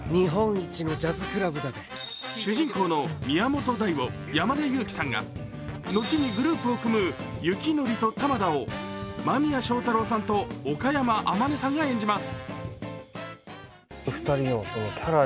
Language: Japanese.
主人公の宮本大を山田裕貴さんが、後にグループを組む雪祈と玉田を間宮祥太朗さんと岡山天音さんが演じます。